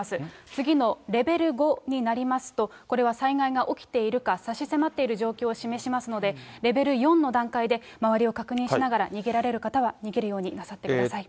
次のレベル５になりますと、これは災害が起きているか、差し迫っている状況を示しますので、レベル４の段階で周りを確認しながら、逃げられる方は逃げるようになさってください。